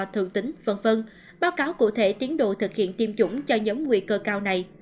thường tính v v báo cáo cụ thể tiến độ thực hiện tiêm chủng cho nhóm nguy cơ cao này